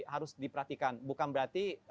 harus diperhatikan bukan berarti